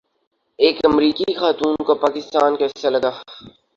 ایک امریکی خاتون کو پاکستان کیسا لگا